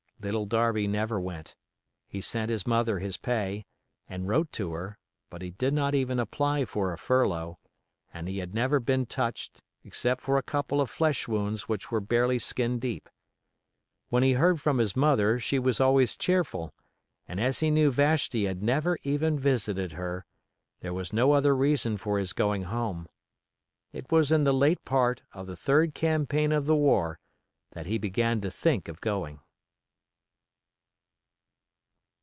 Little Darby never went; he sent his mother his pay, and wrote to her, but he did not even apply for a furlough, and he had never been touched except for a couple of flesh wounds which were barely skin deep. When he heard from his mother she was always cheerful; and as he knew Vashti had never even visited her, there was no other reason for his going home. It was in the late part of the third campaign of the war that he began to think of going.